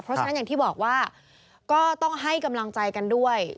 เพราะฉะนั้นอย่างที่บอกว่าก็ต้องให้กำลังใจกันด้วย